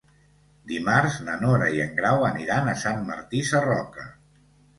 Dimarts na Nora i en Grau aniran a Sant Martí Sarroca.